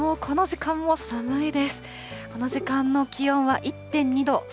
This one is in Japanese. この時間の気温は１．２度。